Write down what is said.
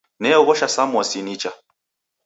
Neoghosha samosi nicha